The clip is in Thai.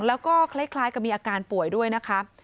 แล้วก็คล้ายกับมีอาการป่วยด้วยนะคะ